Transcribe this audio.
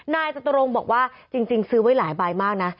นายจตุรงค์บอกว่าจริงซื้อไว้หลายใบมากนะ